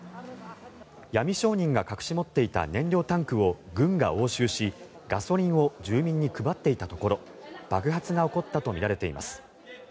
闇商人が隠し持っていた燃料タンクを軍が押収しガソリンを住民に配っていたところ爆発が起こったとみられています。